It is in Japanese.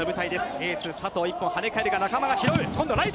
エース・佐藤、１本跳ね返るが仲間が拾う。